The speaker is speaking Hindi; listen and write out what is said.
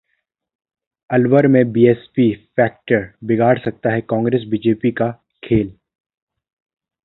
अलवर में बीएसपी फैक्टर बिगाड़ सकता है कांग्रेस-बीजेपी का खेल